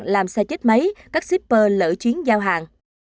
làm xe chết máy các shipper lỡ chuyến giao hàng